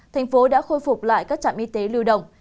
thành phố đã khôi phục lại các trạm y tế lưu đồng